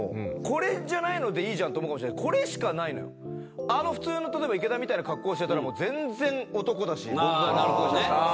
これじゃないのでいいじゃんって思うかもしれないけどあの普通の例えば池田みたいな格好をしてたらもう全然男だし僕があの格好しちゃったら。